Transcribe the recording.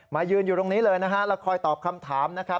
ยืนอยู่ตรงนี้เลยนะฮะแล้วคอยตอบคำถามนะครับ